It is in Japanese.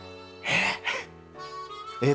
えっ？